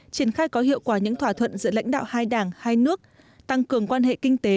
triển khai có hiệu quả những thỏa thuận giữa lãnh đạo hai đảng hai nước tăng cường quan hệ kinh tế